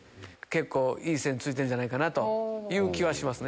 結構いい線ついてんじゃないかなという気はしますね。